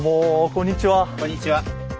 こんにちは。